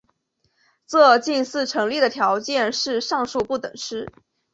这近似成立的条件是上述不等式。